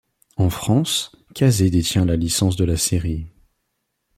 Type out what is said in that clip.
En France, Kazé détient la licence de la série.